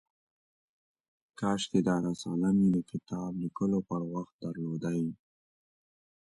کاشکي دا رساله مې د کتاب لیکلو پر وخت درلودای.